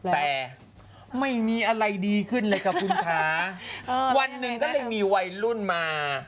แต่ไม่มีอะไรดีขึ้นเลยค่ะคุณคะวันหนึ่งก็ได้มีวัยรุ่นมา